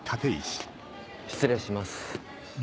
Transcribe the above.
失礼します。